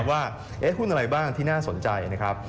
ว่าหุ้นอะไรบ้างที่น่าสนใจ